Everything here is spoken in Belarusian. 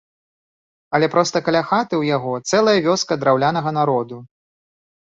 Але проста каля хаты ў яго цэлая вёска драўлянага народу.